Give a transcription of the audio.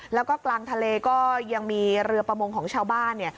แล้วก็กลางทะเลก็ยังมีเรือประมงของชาวบ้านเนี่ย